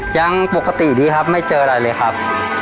ยังปกติดีครับไม่เจออะไรเลยครับ